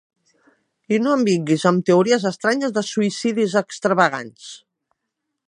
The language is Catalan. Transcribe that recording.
I no em vinguis amb teories estranyes de suïcidis extravagants!